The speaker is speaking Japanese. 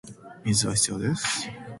水は必要です